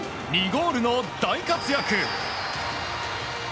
２ゴールの大活躍。